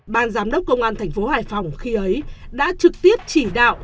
ban giám đốc công an thành phố hải phòng khi ấy đã trực tiếp chỉ đạo